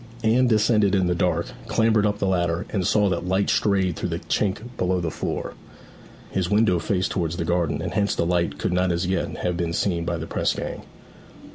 Anne descended in the dark, clambered up the ladder, and saw that light strayed through the chink below the door. His window faced towards the garden, and hence the light could not as yet have been seen by the press gang.